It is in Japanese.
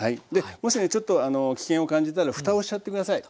もしねちょっと危険を感じたらふたをしちゃって下さい。